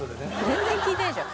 全然聞いてないでしょ。